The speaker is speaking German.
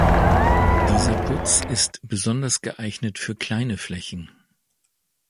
Dieser Putz ist besonders geeignet für kleine Flächen.